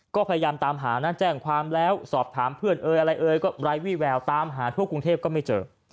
ก็พยายามตามหานะแจ้งความแล้วสอบถามเพื่อนเอ่ยอะไรเอ่ยก็ไร้วี่แววตามหาทั่วกรุงเทพก็ไม่เจอ